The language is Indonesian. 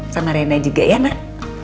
sama rena juga ya nak